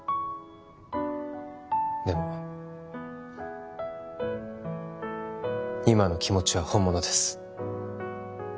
でも今の気持ちは本物です